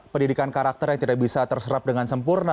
pendidikan karakter yang tidak bisa terserap dengan sempurna